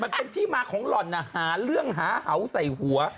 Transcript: มันเป็นที่มาของหล่อนหาเรื่องหาเห่าใส่หัว